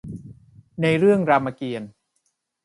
ในเรื่องรามเกียรติ์